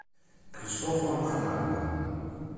Cristoforo Canal